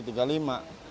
dari sekarang ini